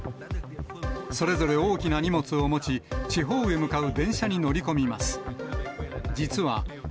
それぞれ大きな荷物を持ち、地方に向かう電車に乗り込みます。